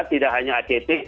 tidak hanya act